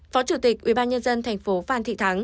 phó chủ tịch ubnd tp th